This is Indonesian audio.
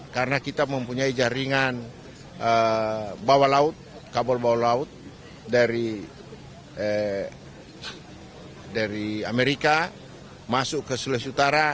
karena kita mempunyai jaringan bawah laut kabel bawah laut dari amerika masuk ke sulawesi utara